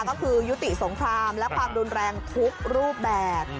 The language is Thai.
ก็คือยุติสงครามและความรุนแรงทุกรูปแบบ